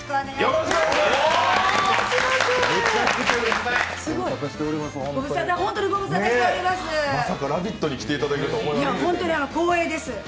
まさか「ラヴィット！」に来ていただけるとは本当に光栄です。